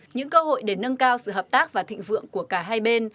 những cơ hội để nâng cao sự hợp tác và thịnh vượng của cả hai bên